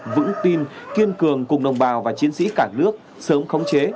vững tin kiên cường cùng đồng bào và chiến sĩ cả nước sớm khống chế